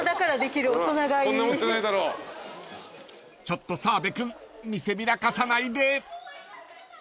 ［ちょっと澤部君見せびらかさないで］